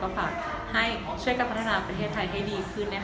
ฝากให้ช่วยกันพัฒนาประเทศไทยให้ดีขึ้น